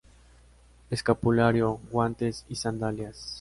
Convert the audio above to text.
Escapulario guantes y sandalias.